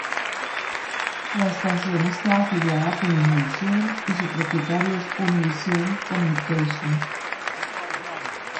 La estación está afiliada con Univision y su propietario es Univision Communications.